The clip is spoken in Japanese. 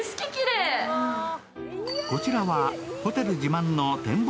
こちらはホテル自慢の展望